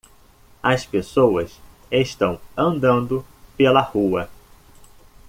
as pessoas estão andando pela rua.